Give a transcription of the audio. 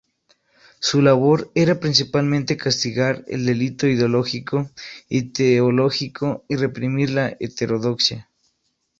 Su labor era principalmente castigar el delito ideológico y teológico y reprimir la heterodoxia.